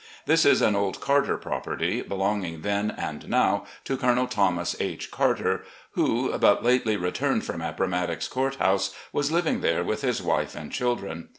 This is an old Carter property, belonging then and now to Colonel Thomas H. Carter, who, but lately returned from Appo mattox Court House, was living there with his wife and children.